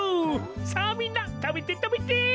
さあみんなたべてたべて！